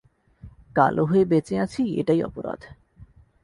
কালো হয়ে বেঁচে আছি, এটাই অপরাধ।